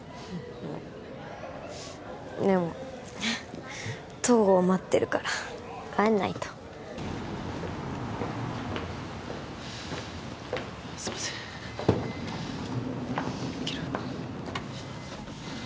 うんでも東郷待ってるから帰んないとすいません行ける？